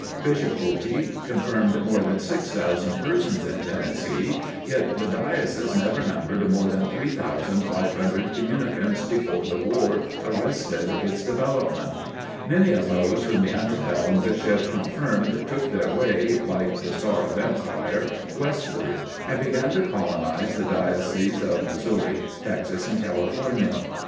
Bishop Otey confirmed more than 6,000 persons in Tennessee, yet the Diocese never numbered more than 3,500 communicants before the war arrested its development. Many of those whom the ante bellum bishop confirmed took their way, like the Star of Empire, westward, and began to colonize the Dioceses of Missouri, Texas and California.